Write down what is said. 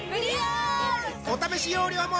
お試し容量も